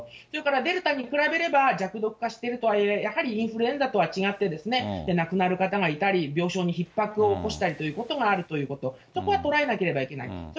それからデルタに比べれば、弱毒化しているとはいえ、やはりインフルエンザとは違って、亡くなる方がいたり、病床にひっ迫を起こしたりということがあるということ、そこは捉えなければいけないと。